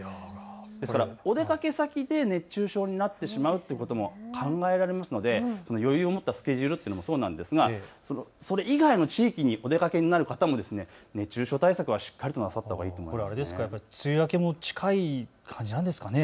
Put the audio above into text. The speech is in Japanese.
ですからお出かけ先で熱中症になってしまうということも考えられますので余裕を持ったスケジュールもそうなんですけれどそれ以外の地域にもお出かけになる方も熱中症対策はしっかりとなさったほうがいいと思います。